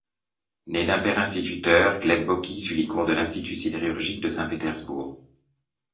Né d’un père instituteur, Gleb Boki suit les cours de l’Institut sidérurgique de Saint-Pétersbourg.